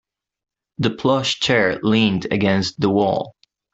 The plush chair leaned against the wall.